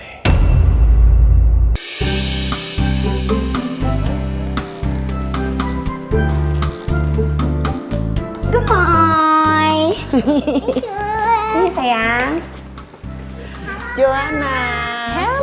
iya iya dateng